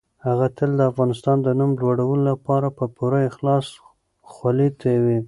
هغه تل د افغانستان د نوم لوړولو لپاره په پوره اخلاص خولې تويوي.